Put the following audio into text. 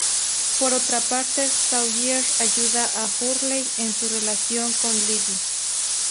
Por otra parte, Sawyer ayuda a Hurley en su relación con Libby.